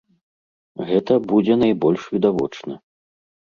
Гэта будзе найбольш відавочна.